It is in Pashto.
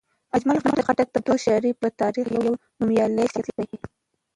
اجمل خټک د پښتو شاعرۍ په تاریخ کې یو نومیالی شخصیت دی.